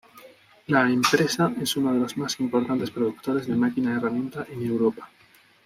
La empresa es uno de los más importantes productores de máquina herramienta en Europa.